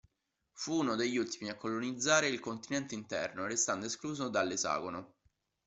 Fu uno degli ultimi a colonizzare il continente interno, restando escluso dall'esagono.